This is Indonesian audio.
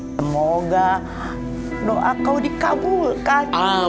semoga doa kau dikabulkan